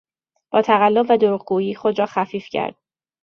با تقلب و دروغگویی خود را خفیف کرد.